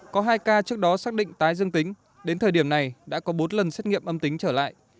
có hai ca trước đó xác định tái dương tính đến thời điểm này đã có bốn lần xét nghiệm âm tính trở lại